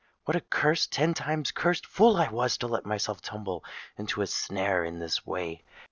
What a cursed—ten times cursed fool I was to let myself tumble into a snare in this way!